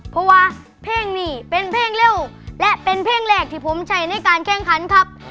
เพราะว่าเพลงนี้เป็นเพลงเร็วและเป็นเพลงแรกที่ผมใช้ในการแข่งขันครับ